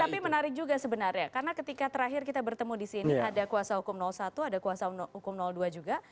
tapi menarik juga sebenarnya karena ketika terakhir kita bertemu di sini ada kuasa hukum satu ada kuasa hukum dua juga